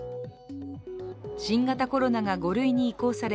新型コロナが５類に移行され